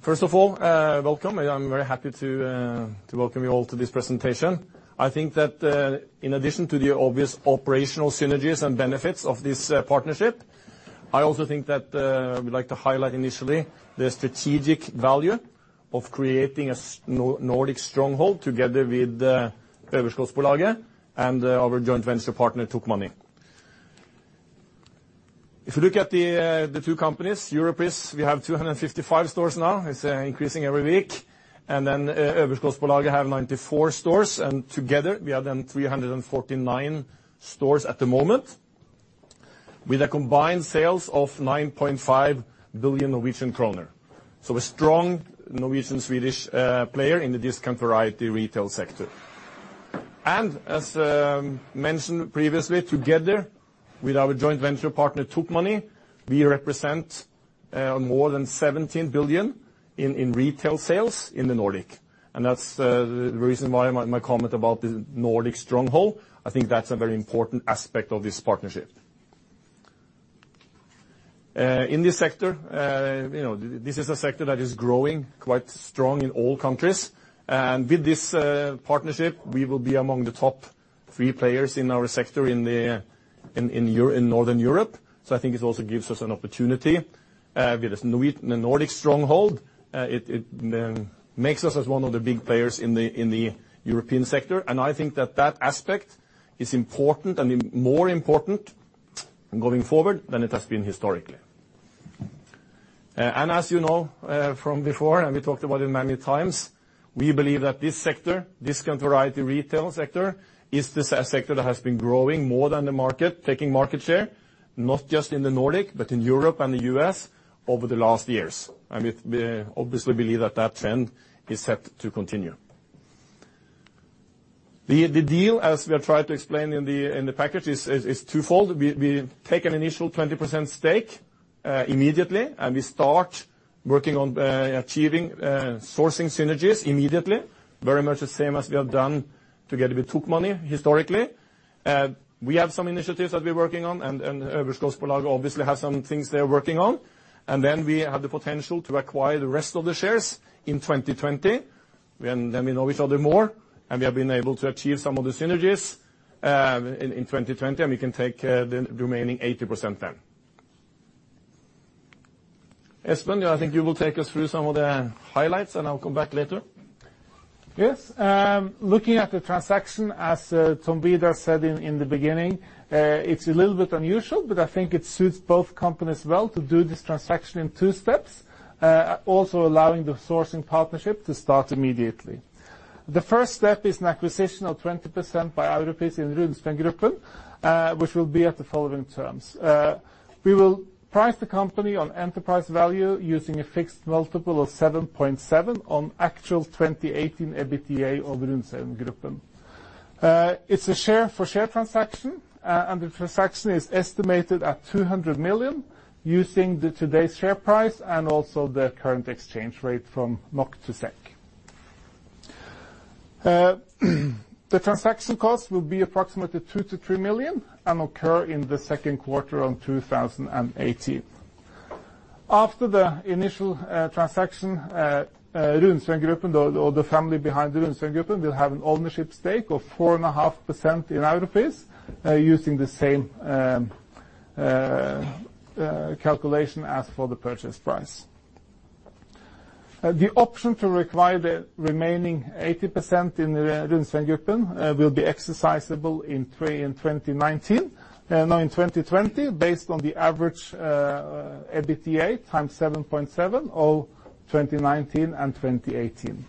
First of all, welcome. I am very happy to welcome you all to this presentation. I think that in addition to the obvious operational synergies and benefits of this partnership, I also think that we would like to highlight initially the strategic value of creating a Nordic stronghold together with Överskottsbolaget and our joint venture partner, Tokmanni. If you look at the two companies, Europris, we have 255 stores now. It is increasing every week. Överskottsbolaget have 94 stores, and together we have 349 stores at the moment, with a combined sales of 9.5 billion Norwegian kroner. So a strong Norwegian-Swedish player in the discount variety retail sector. As mentioned previously, together with our joint venture partner, Tokmanni, we represent more than 17 billion in retail sales in the Nordic. That is the reason why my comment about the Nordic stronghold, I think that is a very important aspect of this partnership. In this sector, this is a sector that is growing quite strong in all countries. With this partnership, we will be among the top three players in our sector in Northern Europe. So I think it also gives us an opportunity with this Nordic stronghold. It makes us as one of the big players in the European sector. I think that that aspect is important and more important going forward than it has been historically. As you know from before, and we talked about it many times, we believe that this sector, discount variety retail sector, is the sector that has been growing more than the market, taking market share, not just in the Nordic, but in Europe and the U.S. over the last years. We obviously believe that that trend is set to continue. The deal, as we are trying to explain in the package, is twofold. We take an initial 20% stake immediately, and we start working on achieving sourcing synergies immediately, very much the same as we have done together with Tokmanni historically. We have some initiatives that we are working on, and Överskottsbolaget obviously has some things they are working on. Then we have the potential to acquire the rest of the shares in 2020 when we know each other more, and we have been able to achieve some of the synergies in 2020, and we can take the remaining 80% then. Espen, I think you will take us through some of the highlights, and I will come back later. Yes. Looking at the transaction as Tom Vidar said in the beginning, it is a little bit unusual, but I think it suits both companies well to do this transaction in two steps, also allowing the sourcing partnership to start immediately. The first step is an acquisition of 20% by Europris in Runsvengruppen, which will be at the following terms. We will price the company on enterprise value using a fixed multiple of 7.7 on actual 2018 EBITDA of Runsvengruppen. It is a share-for-share transaction, and the transaction is estimated at 200 million using today's share price and also the current exchange rate from NOK to SEK. The transaction cost will be approximately 2 million-3 million and occur in the second quarter of 2018. After the initial transaction, Runsvengruppen AB or the family behind Runsvengruppen AB will have an ownership stake of 4.5% in Europris using the same calculation as for the purchase price. The option to require the remaining 80% in Runsvengruppen AB will be exercisable in 2020, based on the average EBITDA times 7.7 of 2019 and 2018.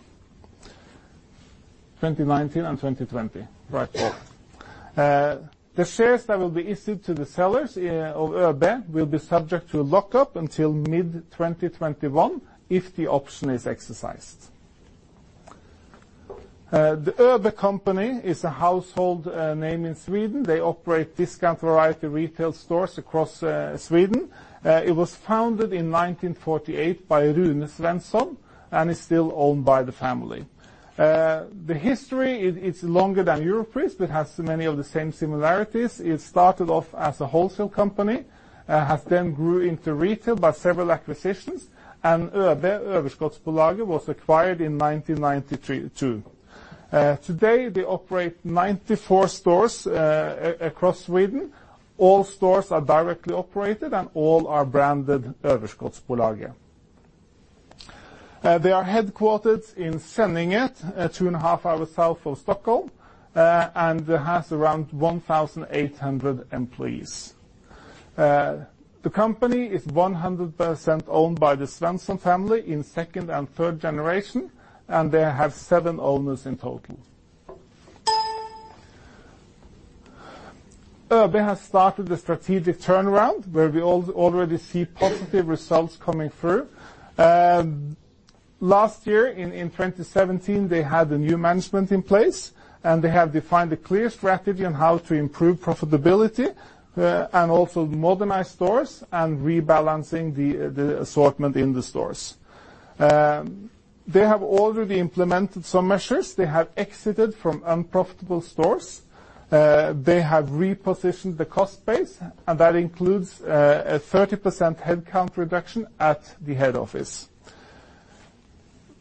2019 and 2020. Right. The shares that will be issued to the sellers of ÖoB will be subject to lock-up until mid-2021 if the option is exercised. The ÖoB company is a household name in Sweden. They operate discount variety retail stores across Sweden. It was founded in 1948 by Rune Svensson and is still owned by the family. The history, it's longer than Europris, but has many of the same similarities. Started off as a wholesale company, has then grew into retail by several acquisitions, and ÖoB, Överskottsbolaget, was acquired in 1992. Today, they operate 94 stores across Sweden. All stores are directly operated and all are branded Överskottsbolaget. They are headquartered in Skänninge, two and a half hours south of Stockholm, and has around 1,800 employees. The company is 100% owned by the Svensson family in second and third generation, and they have seven owners in total. ÖoB has started a strategic turnaround where we already see positive results coming through. Last year in 2017, they had a new management in place, and they have defined a clear strategy on how to improve profitability and also modernize stores and rebalancing the assortment in the stores. They have already implemented some measures. They have exited from unprofitable stores. They have repositioned the cost base, and that includes a 30% headcount reduction at the head office.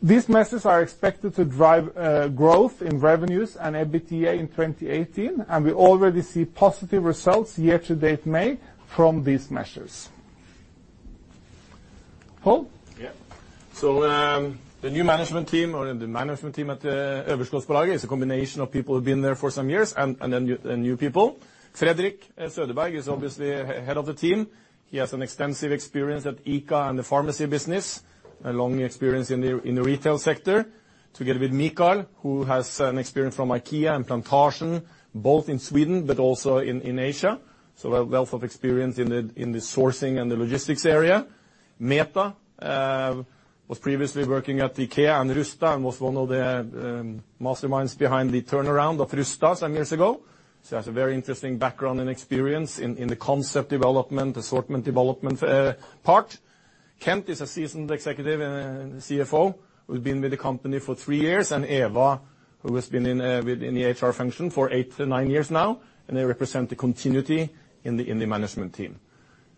These measures are expected to drive growth in revenues and EBITDA in 2018, and we already see positive results year-to-date made from these measures. Pål? Yeah. The new management team, or the management team at Överskottsbolaget is a combination of people who have been there for some years and then new people. Fredrik Söderberg is obviously head of the team. He has an extensive experience at ICA and the pharmacy business, a long experience in the retail sector, together with Mikael, who has an experience from IKEA and Plantasjen, both in Sweden but also in Asia, so a wealth of experience in the sourcing and the logistics area. Meta was previously working at IKEA and Rusta, and was one of the masterminds behind the turnaround of Rusta some years ago. She has a very interesting background and experience in the concept development, assortment development part. Kent is a seasoned executive and CFO who's been with the company for three years, and Eva, who has been in the HR function for eight to nine years now, and they represent the continuity in the management team.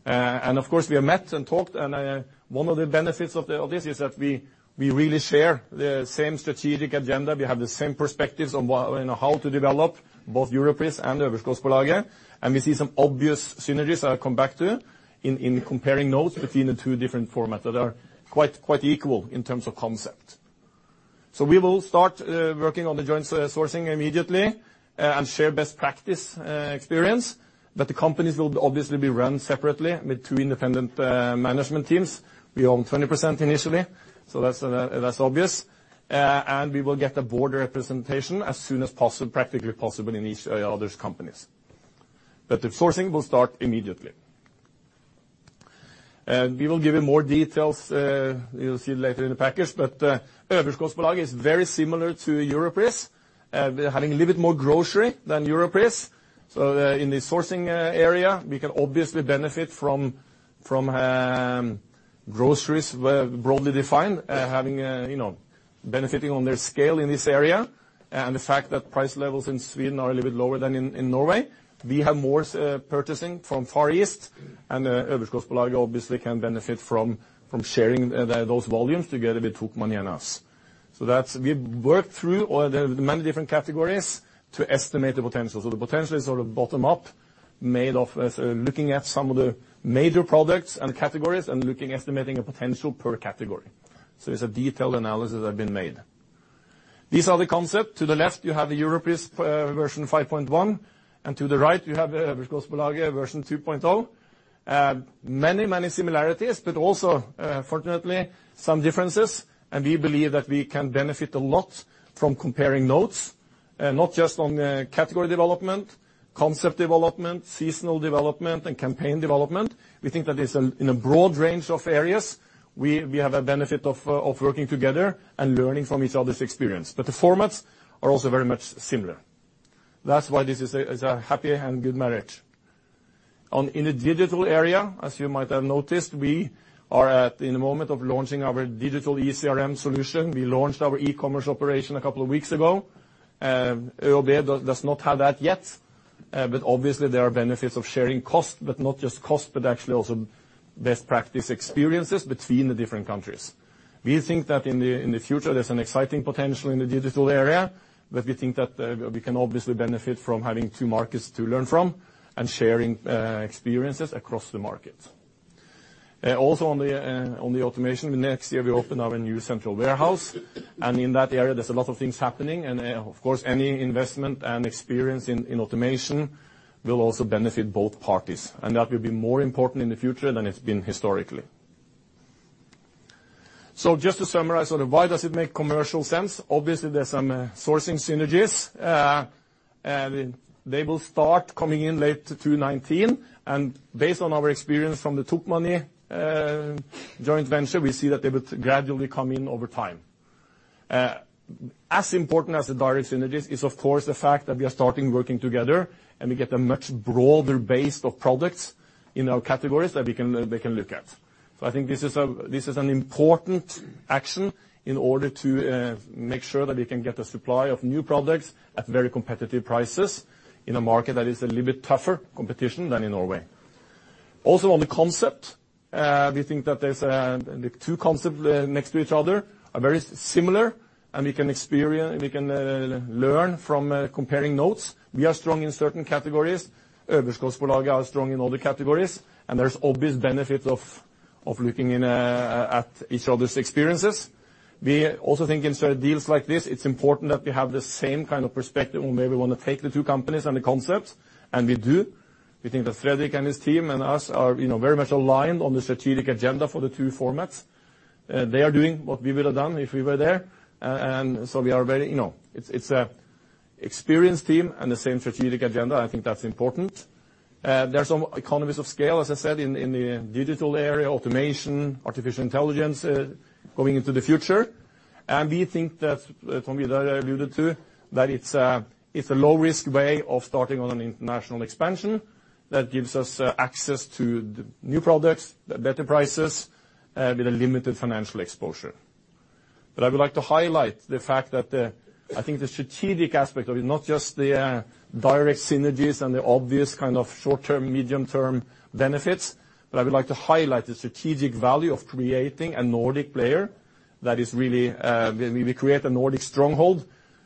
Of course, we have met and talked, and one of the benefits of this is that we really share the same strategic agenda. We have the same perspectives on how to develop both Europris and Överskottsbolaget, and we see some obvious synergies I will come back to in comparing notes between the two different formats that are quite equal in terms of concept. We will start working on the joint sourcing immediately and share best practice experience, but the companies will obviously be run separately with two independent management teams. We own 20% initially, so that's obvious. We will get a board representation as soon as practically possible in each other's companies. The sourcing will start immediately. We will give you more details, you'll see later in the package, but Överskottsbolaget is very similar to Europris. They're having a little bit more grocery than Europris, so in the sourcing area, we can obviously benefit from groceries broadly defined, benefiting on their scale in this area, and the fact that price levels in Sweden are a little bit lower than in Norway. We have more purchasing from Far East and Överskottsbolaget obviously can benefit from sharing those volumes together with Tokmanni and us. We've worked through all the many different categories to estimate the potential. The potential is sort of bottom-up, made of looking at some of the major products and categories and estimating a potential per category. It's a detailed analysis that has been made. These are the concepts. To the left, you have the Europris version 5.1, and to the right, you have Överskottsbolaget version 2.0. Many similarities, also, fortunately, some differences, and we believe that we can benefit a lot from comparing notes, not just on category development, concept development, seasonal development, and campaign development. We think that in a broad range of areas, we have a benefit of working together and learning from each other's experience. The formats are also very much similar. That's why this is a happy and good marriage. In the digital area, as you might have noticed, we are at the moment of launching our digital eCRM solution. We launched our e-commerce operation a couple of weeks ago. ÖoB does not have that yet, obviously, there are benefits of sharing costs, but not just costs, but actually also best practice experiences between the different countries. We think that in the future, there's an exciting potential in the digital area, but we think that we can obviously benefit from having two markets to learn from and sharing experiences across the market. Also on the automation, next year, we open our new central warehouse, and in that area, there's a lot of things happening. Of course, any investment and experience in automation will also benefit both parties, and that will be more important in the future than it's been historically. Just to summarize, why does it make commercial sense? Obviously, there's some sourcing synergies. They will start coming in late 2019, based on our experience from the Tokmanni joint venture, we see that they will gradually come in over time. As important as the direct synergies is, of course, the fact that we are starting working together and we get a much broader base of products in our categories that they can look at. I think this is an important action in order to make sure that we can get a supply of new products at very competitive prices in a market that is a little bit tougher competition than in Norway. On the concept, we think that the two concepts next to each other are very similar, and we can learn from comparing notes. We are strong in certain categories. Överskottsbolaget are strong in other categories, and there's obvious benefit of looking at each other's experiences. We also think in certain deals like this, it's important that we have the same kind of perspective on where we want to take the two companies and the concepts, and we do. We think that Fredrik and his team and us are very much aligned on the strategic agenda for the two formats. They are doing what we would have done if we were there. It's an experienced team and the same strategic agenda. I think that's important. There's economies of scale, as I said, in the digital area, automation, artificial intelligence, going into the future. We think that, Tom Vidar alluded to, that it's a low risk way of starting on an international expansion that gives us access to the new products at better prices with a limited financial exposure. I would like to highlight the fact that I think the strategic aspect of it, not just the direct synergies and the obvious kind of short-term, medium-term benefits, I would like to highlight the strategic value of creating a Nordic player that is really, we create a Nordic stronghold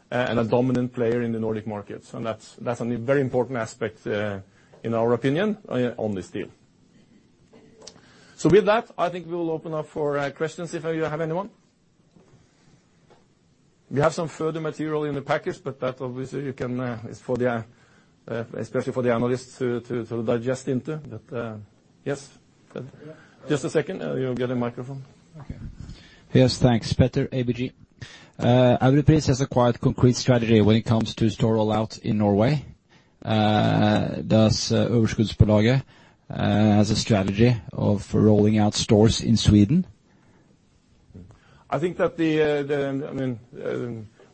and a dominant player in the Nordic markets. That's a very important aspect, in our opinion, on this deal. With that, I think we will open up for questions if you have anyone. We have some further material in the package, but that obviously, it's especially for the analysts to digest into. Yes. Just a second, you'll get a microphone. Okay. Yes, thanks. Petter, ABG. Europris has acquired concrete strategy when it comes to store roll-out in Norway. Does Överskottsbolaget has a strategy of rolling out stores in Sweden? I think that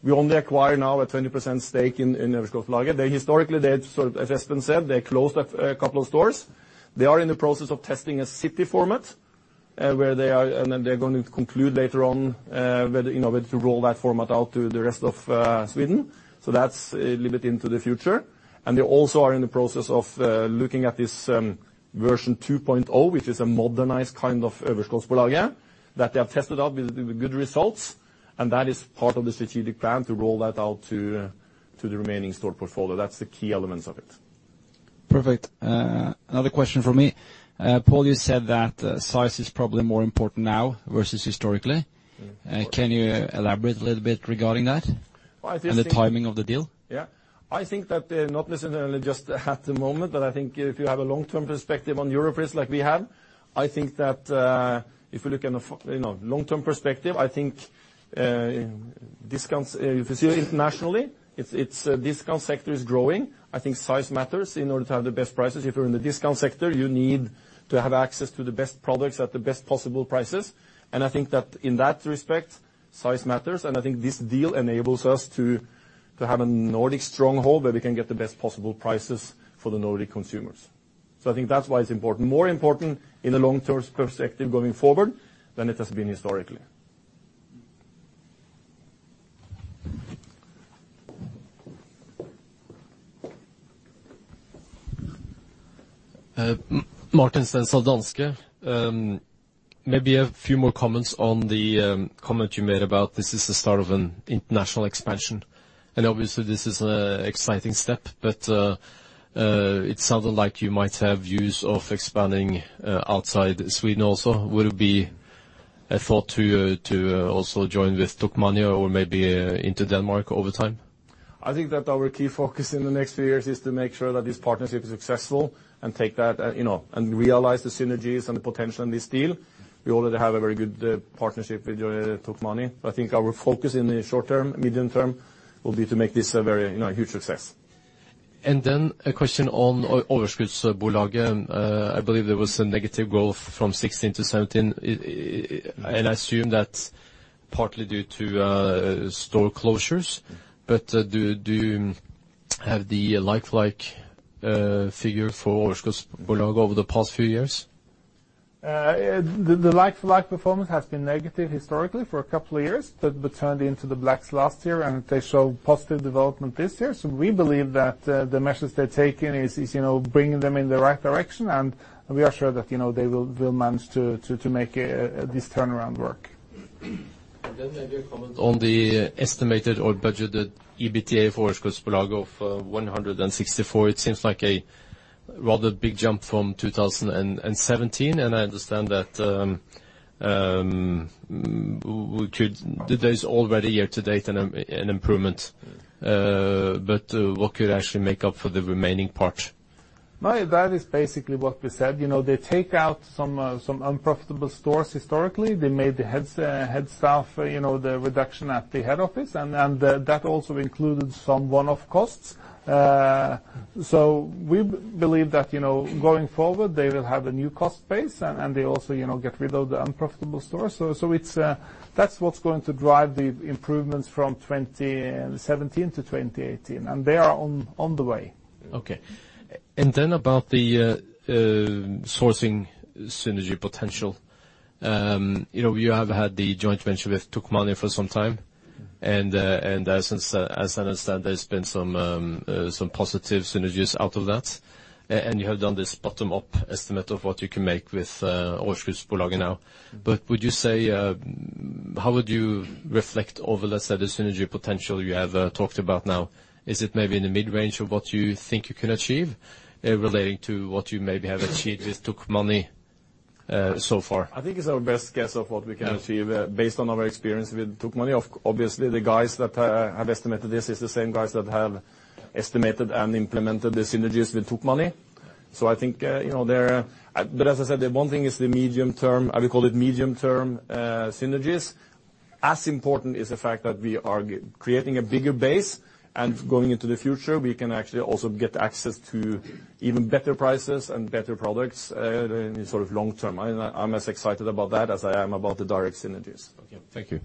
we only acquire now a 20% stake in Överskottsbolaget. Historically, as Espen said, they closed a couple of stores. They are in the process of testing a city format, then they're going to conclude later on whether to roll that format out to the rest of Sweden. That's a little bit into the future. They also are in the process of looking at this version 2.0, which is a modernized kind of Överskottsbolaget that they have tested out with good results, and that is part of the strategic plan to roll that out to the remaining store portfolio. That's the key elements of it. Perfect. Another question from me. Pål, you said that size is probably more important now versus historically. Can you elaborate a little bit regarding that? Well, I think- The timing of the deal? Yeah. I think that not necessarily just at the moment, but I think if you have a long-term perspective on Europris like we have, I think that, if you look in the long-term perspective, if you see internationally, discount sector is growing. I think size matters in order to have the best prices. If you're in the discount sector, you need to have access to the best products at the best possible prices. I think that in that respect, size matters, and I think this deal enables us to have a Nordic stronghold where we can get the best possible prices for the Nordic consumers. I think that's why it's important. More important in the long-term perspective going forward than it has been historically. Martin Svensson, Danske Bank. A few more comments on the comment you made about this is the start of an international expansion. Obviously, this is an exciting step, but it sounded like you might have views of expanding outside Sweden also. Would it be a thought to also join with Tokmanni or maybe into Denmark over time? I think that our key focus in the next few years is to make sure that this partnership is successful and take that, and realize the synergies and the potential in this deal. We already have a very good partnership with Tokmanni. I think our focus in the short-term, medium-term, will be to make this a very huge success. A question on Överskottsbolaget. I believe there was a negative growth from 2016 to 2017. I assume that's partly due to store closures. Do you have the like-for-like figure for Överskottsbolaget over the past few years? The like-for-like performance has been negative historically for a couple of years, but turned into the black last year, they show positive development this year. We believe that the measures they're taking is bringing them in the right direction, we are sure that they will manage to make this turnaround work. Maybe a comment on the estimated or budgeted EBITDA for Överskottsbolaget of 164. It seems like a rather big jump from 2017, I understand that there's already year-to-date an improvement. What could actually make up for the remaining part? That is basically what we said. They take out some unprofitable stores historically. They made the head staff the reduction at the head office, that also included some one-off costs. We believe that, going forward, they will have a new cost base and they also get rid of the unprofitable stores. That's what's going to drive the improvements from 2017 to 2018, and they are on the way. Okay. About the sourcing synergy potential. You have had the joint venture with Tokmanni for some time, and as I understand, there's been some positive synergies out of that. You have done this bottom-up estimate of what you can make with Överskottsbolaget now. How would you reflect over let's say, the synergy potential you have talked about now? Is it maybe in the mid-range of what you think you can achieve relating to what you maybe have achieved with Tokmanni so far? I think it's our best guess of what we can achieve based on our experience with Tokmanni. Obviously, the guys that have estimated this is the same guys that have estimated and implemented the synergies with Tokmanni. As I said, the one thing is the medium term, I would call it medium-term synergies. As important is the fact that we are creating a bigger base, and going into the future, we can actually also get access to even better prices and better products in the long term. I'm as excited about that as I am about the direct synergies. Okay. Thank you.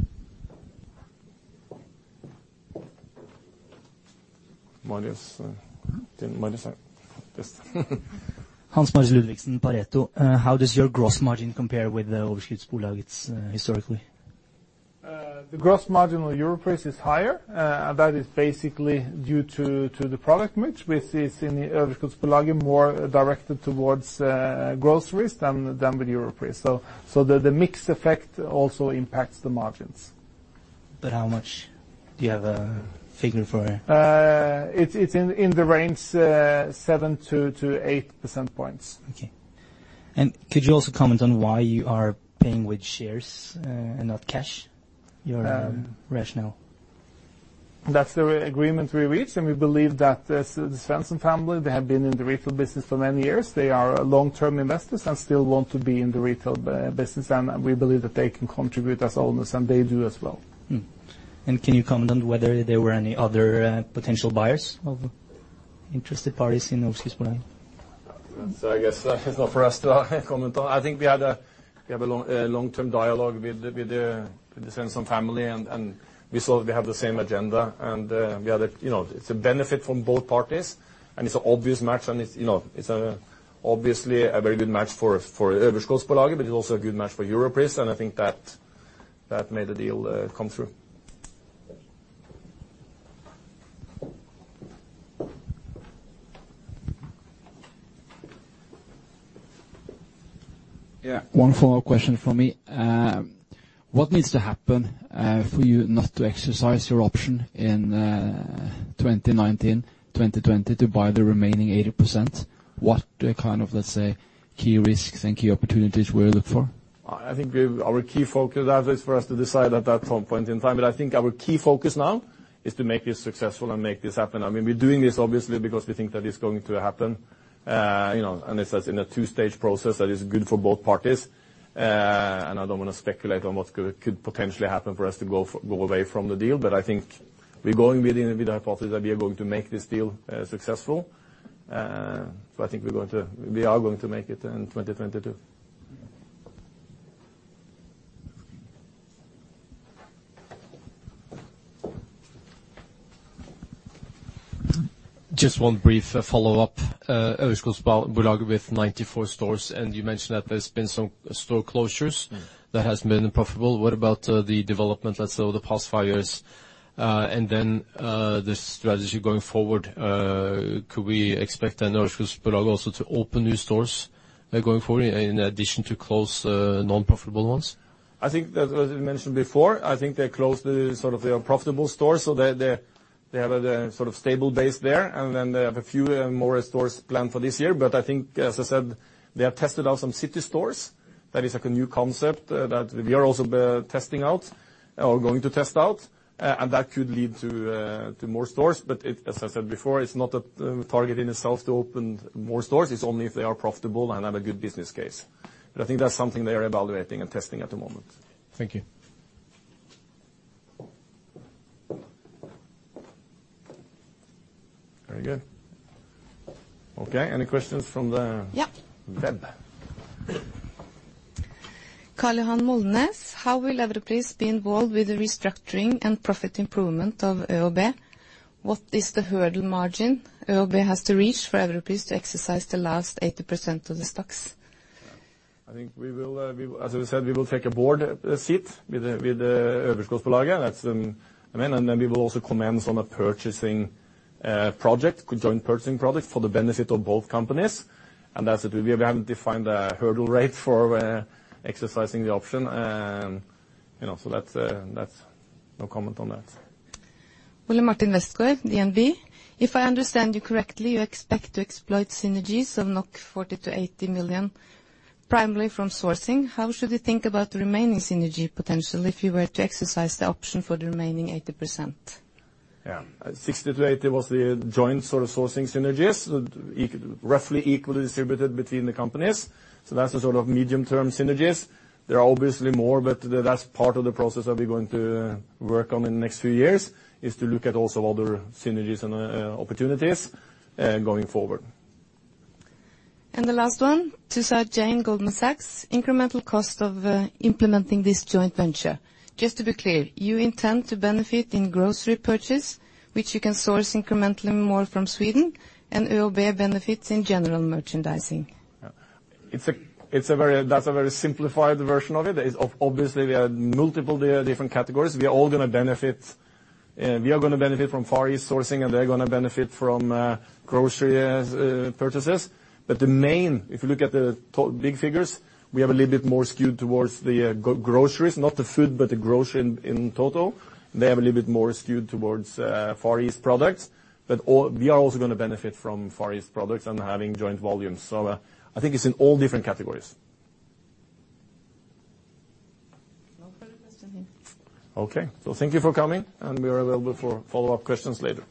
Marius. Marius. Yes. Hans Marius Ludvigsen, Pareto. How does your gross margin compare with the Överskottsbolaget historically? The gross margin on Europris is higher. That is basically due to the product mix, which is in the Överskottsbolaget more directed towards groceries than with Europris. The mix effect also impacts the margins. How much? Do you have a figure for it? It's in the range seven to eight percent points. Okay. Could you also comment on why you are paying with shares and not cash? Your rationale. That's the agreement we reached. We believe that the Svensson family, they have been in the retail business for many years. They are long-term investors and still want to be in the retail business. We believe that they can contribute as owners, and they do as well. Can you comment on whether there were any other potential buyers or interested parties in Överskottsbolaget? I guess that's not for us to comment on. I think we have a long-term dialogue with the Svensson family. We saw that they have the same agenda. It's a benefit from both parties. It's an obvious match. It's obviously a very good match for Överskottsbolaget, but it's also a good match for Europris. I think that made the deal come through. Yeah. One follow-up question from me. What needs to happen for you not to exercise your option in 2019, 2020 to buy the remaining 80%? What kind of, let's say, key risks and key opportunities will you look for? I think our key focus, that is for us to decide at that some point in time. I think our key focus now is to make this successful and make this happen. I mean, we're doing this obviously because we think that it's going to happen. It's as in a 2-stage process that is good for both parties. I don't want to speculate on what could potentially happen for us to go away from the deal, but I think we're going with the hypothesis that we are going to make this deal successful. I think we are going to make it in 2020. Just one brief follow-up. Överskottsbolaget with 94 stores, and you mentioned that there's been some store closures that hasn't been profitable. What about the development, let's say, over the past five years, and then the strategy going forward? Could we expect then Överskottsbolaget also to open new stores going forward in addition to close non-profitable ones? I think as I mentioned before, I think they closed sort of their unprofitable stores, so they have a sort of stable base there, and then they have a few more stores planned for this year. I think, as I said, they have tested out some city stores. That is like a new concept that we are also testing out or going to test out, and that could lead to more stores. As I said before, it's not a target in itself to open more stores. It's only if they are profitable and have a good business case. I think that's something they are evaluating and testing at the moment. Thank you. Very good. Okay. Any questions from the- Yeah web? Karl Johan Molnes. How will Europris be involved with the restructuring and profit improvement of ÖoB? What is the hurdle margin ÖoB has to reach for Europris to exercise the last 80% of the stocks? I think as I said, we will take a board seat with Överskottsbolaget. I mean, then we will also commence on a purchasing project, conjoint purchasing project for the benefit of both companies. That's it. We haven't defined a hurdle rate for exercising the option, no comment on that. Ole Martin Westgaard, DNB. If I understand you correctly, you expect to exploit synergies of 40 million-80 million, primarily from sourcing. How should we think about the remaining synergy potential if you were to exercise the option for the remaining 80%? Yeah. 60 to 80 was the joint sort of sourcing synergies, roughly equally distributed between the companies. That's the sort of medium-term synergies. There are obviously more, but that's part of the process that we're going to work on in the next few years, is to look at also other synergies and opportunities going forward. The last one, Tushar Jain, Goldman Sachs. Incremental cost of implementing this joint venture. Just to be clear, you intend to benefit in grocery purchase, which you can source incrementally more from Sweden, and ÖoB benefits in general merchandising? Yeah. That's a very simplified version of it, is obviously we have multiple different categories. We are going to benefit from Far East sourcing, and they're going to benefit from grocery purchases. The main, if you look at the big figures, we have a little bit more skewed towards the groceries, not the food, but the grocery in total. They have a little bit more skewed towards Far East products. We are also going to benefit from Far East products and having joint volumes. I think it's in all different categories. No further questions. Okay. Thank you for coming, and we are available for follow-up questions later.